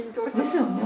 ですよね。